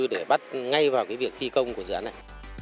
để bắt ngay vào việc thi công của dự án này